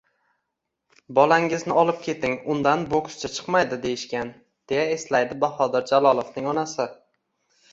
“‘Bolangizni olib keting, undan bokschi chiqmaydi’ deyishgan”, — deya eslaydi Bahodir Jalolovning onasi